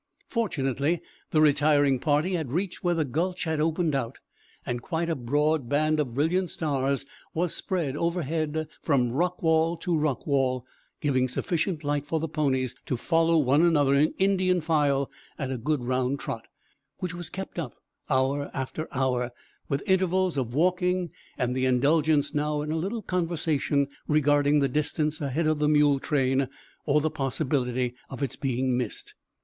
Fortunately the retiring party had reached where the gulch had opened out, and quite a broad band of brilliant stars was spread overhead from rock wall to rock wall, giving sufficient light for the ponies to follow one another in Indian file at a good round trot, which was kept up hour after hour, with intervals of walking and the indulgence now in a little conversation regarding the distance ahead of the mule train or the possibility of its being missed.